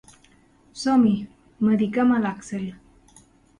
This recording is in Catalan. Som-hi, mediquem a l'Axl.